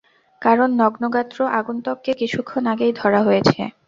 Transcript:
কারণ, নগ্নগাত্র আগন্তুককে কিছুক্ষণ আগেই ধরা হয়েছে।